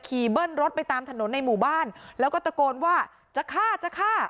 เบิ้ลรถไปตามถนนในหมู่บ้านแล้วก็ตะโกนว่าจะฆ่าจะฆ่า